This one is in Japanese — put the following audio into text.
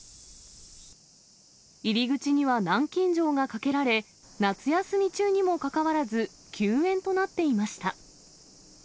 入り口には南京錠がかけられ、夏休み中にもかかわらず、休園となっていました。